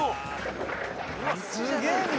すげえ道。